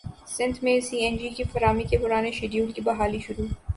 سندھ میں C N G کی فراہمی کے پرانے شیڈول کی بحالی شروع